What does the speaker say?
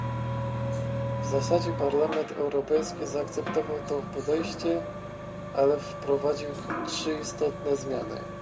W zasadzie Parlament Europejski zaakceptował to podejście, ale wprowadził trzy istotne zmiany